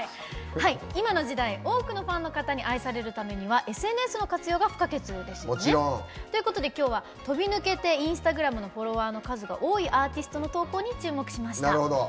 今の時代、多くのファンの方に愛されるためにはＳＮＳの活用が不可欠ですよね。ということできょうは飛び抜けてインスタグラムのフォロワーの数が多いアーティストの投稿に注目しました。